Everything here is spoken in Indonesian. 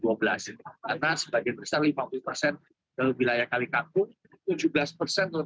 karena sebagian besar lima puluh ke wilayah kekalikantung